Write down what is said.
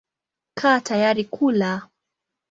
Kaa tayari kula.